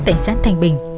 tại xã thanh bình